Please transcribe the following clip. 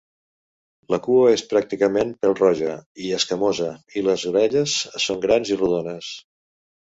La cua és pràcticament pèl-roja i escamosa, i les orelles són grans i rodones.